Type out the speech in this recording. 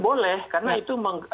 boleh karena itu